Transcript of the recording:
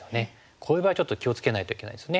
こういう場合はちょっと気を付けないといけないですね。